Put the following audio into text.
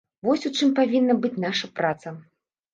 Вось у чым павінна быць наша праца.